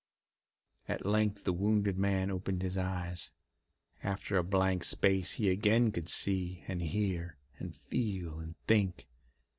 At length the wounded man opened his eyes. After a blank space he again could see and hear and feel and think.